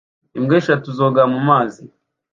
Imbwa eshatu zoga mu mazi